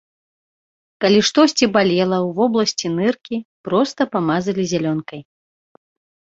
Калі штосьці балела ў вобласці ныркі, проста памазалі зялёнкай.